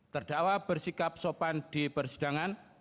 terdakwa bersikap sopan di persidangan